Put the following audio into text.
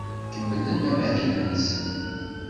Kemmlen amahil-nsen.